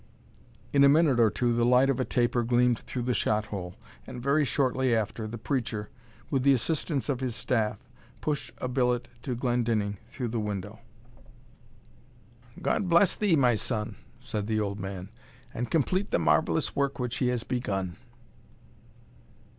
In a minute or two the light of a taper gleamed through the shot hole, and very shortly after, the preacher, with the assistance of his staff, pushed a billet to Glendinning through the window. "God bless thee, my son," said the old man, "and complete the marvellous work which he has begun."